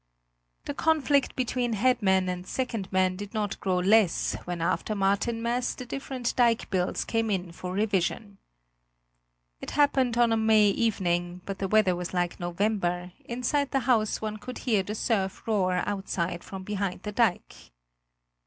The conflict between head man and second man did not grow less when after Martinmas the different dike bills came in for revision. It happened on a May evening, but the weather was like November; inside the house one could hear the surf roar outside from behind the dike.